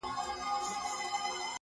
• څه به کړو چي دا دریاب راته ساحل شي,